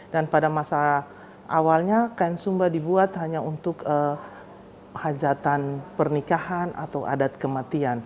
dan pada masa awalnya kain sumba dibuat hanya untuk hajatan pernikahan atau adat kematian